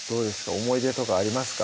思い出とかありますか？